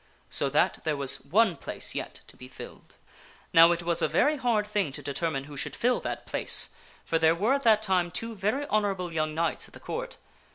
So that there was one place yet to be filled. Now it was a very hard thing to determine who should fill that place, for there were at that time two very honorable young knights at the Court.